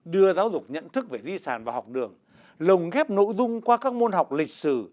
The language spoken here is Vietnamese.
đưa giáo dục nhận thức về di sản và học đường lồng ghép nội dung qua các môn học lịch sử